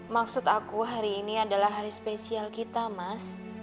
maksud aku hari ini adalah hari spesial kita mas